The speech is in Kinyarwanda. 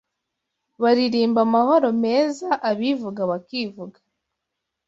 baririmba amahoro meza, abivuga bakivuga